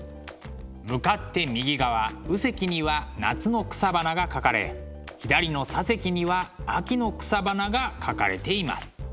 向かって右側右隻には夏の草花が描かれ左の左隻には秋の草花が描かれています。